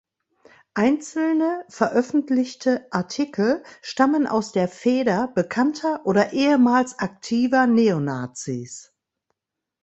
Einzelne veröffentlichte Artikel stammen aus der Feder bekannter oder ehemals aktiver Neonazis“.